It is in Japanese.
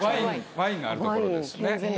ワインがある所ですね。